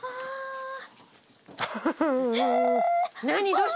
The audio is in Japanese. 何？